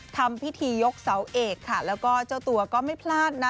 ทำพิธียกเสาเอกค่ะแล้วก็เจ้าตัวก็ไม่พลาดนะ